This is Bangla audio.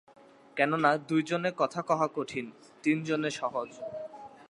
কেননা, দুই জনে কথা কহা কঠিন, তিন জনে সহজ।